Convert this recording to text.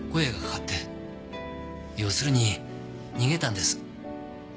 要するに逃げたんです。